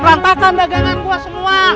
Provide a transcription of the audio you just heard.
rantakan bagangan gue semua